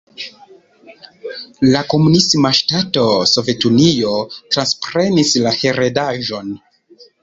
La komunisma ŝtato Sovetunio transprenis la heredaĵon.